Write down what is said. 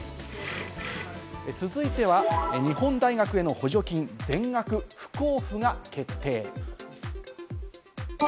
続いては日本大学への補助金全額不交付が決定。